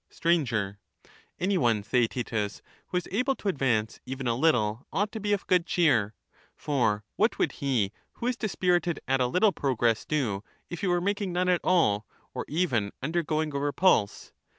Stbamckb, Str, Any one, Theaetetus, who is able to advance even a Thiaktbtus. little ought to be of good cheer, for what would he who is dispirited at a little progress do, if he were making none at all, or even undergoing a repulse